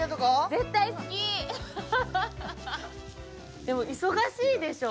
絶対好きでも忙しいでしょ